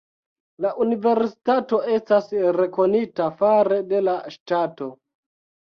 La universitato estas rekonita fare de la ŝtato.